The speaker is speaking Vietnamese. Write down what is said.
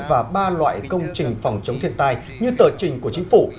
và ba loại công trình phòng chống thiên tai như tờ trình của chính phủ